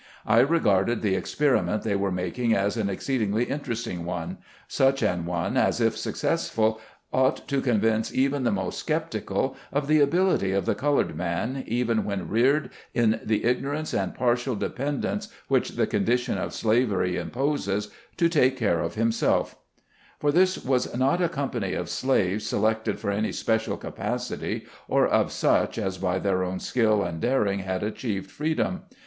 I regarded the experiment they were making as an exceedingly interesting one ; such an one as, if successful, ought to convince even the most skeptical, of the ability of the colored man, even when reared in the ignorance and partial dependence which the condition of slavery imposes, to "take care of himself" For this was not a com pany of slaves selected for any special capacity, or of such as by their own skill and daring had achieved freedom.